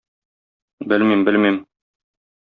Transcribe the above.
Белмим, белмим...